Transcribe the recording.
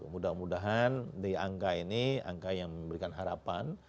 mudah mudahan di angka ini angka yang memberikan harapan